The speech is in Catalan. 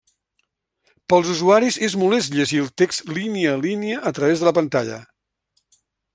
Pels usuaris és molest llegir el text línia a línia a través de la pantalla.